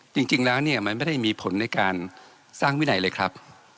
จริงแล้วเนี่ยมันไม่ได้มีผลในการสร้างวินัยเลยครับ